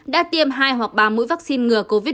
đã tiêm hai hoặc ba mũi vaccine ngừa covid một mươi chín